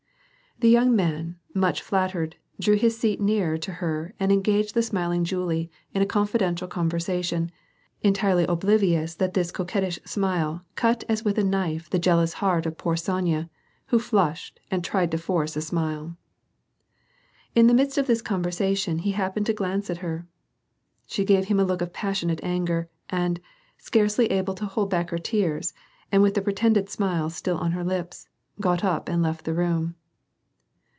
The young man, much flattered, drew his seat nearer to her and engaged the smiling Julie in a confidential conversation, entirely oblivious that this coquettish smile cut as witli a knife the jealous heart of poor Sonya, who flushed and tried to force a smile. In the midst of this conversation he happened to glance at her. She gave him a look of passionate anger and, scarcely able to hold back her tears, and with the pretended smile still on her lips, got up and left the room.